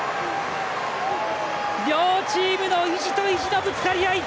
両チームの意地と意地のぶつかり合い！